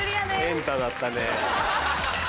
『エンタ』だったね。